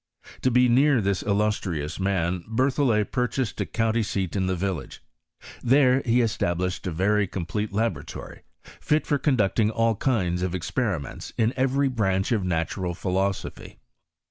To be near this illustrious man Berthollet purchased a country seat PROGREaa OF cHEMisTav in fuance. 151 in the villtffi;e : there he established a very complete laboratory, fit for conducting all kinds of experi~ ments in every branch of natural philosophy.